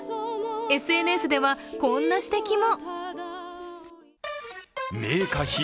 ＳＮＳでは、こんな指摘も。